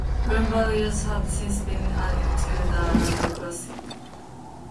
Boom barriers have since been added to the level crossing.